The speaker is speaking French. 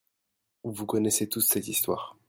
Vous connaissez tous cette histoire.